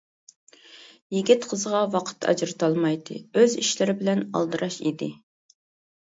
يىگىت قىزغا ۋاقىت ئاجرىتالمايتتى، ئۆز ئىشلىرى بىلەن ئالدىراش ئىدى.